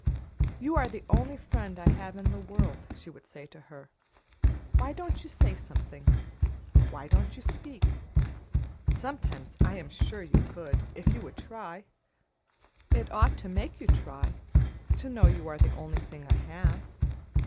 "You are the only friend I have in the world," she would say to her. "Why don't you say something? Why don't you speak? Sometimes I am sure you could, if you would try. It ought to make you try, to know you are the only thing I have.